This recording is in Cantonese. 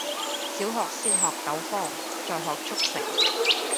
小學先學九方，再學速成